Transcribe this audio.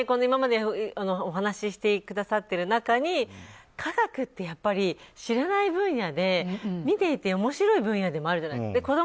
今までお話してくださってる中に科学ってやっぱり知らない分野で見ていて、面白い分野でもあるじゃないですか。